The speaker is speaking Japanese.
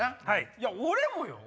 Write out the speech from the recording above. いや俺もよ！